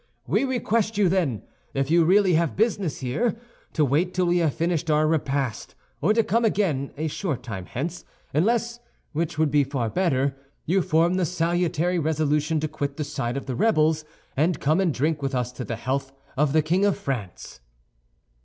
We request you, then, if you really have business here, to wait till we have finished our repast, or to come again a short time hence; unless, which would be far better, you form the salutary resolution to quit the side of the rebels, and come and drink with us to the health of the King of France."